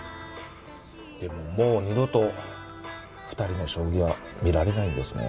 でももう二度と２人の将棋は見られないんですね。